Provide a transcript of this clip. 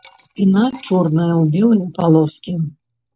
Спіна чорная ў белыя палоскі.